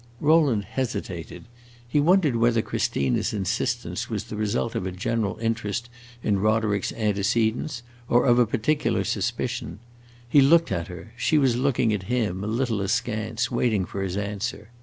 Rowland hesitated. He wondered whether Christina's insistence was the result of a general interest in Roderick's antecedents or of a particular suspicion. He looked at her; she was looking at him a little askance, waiting for his answer.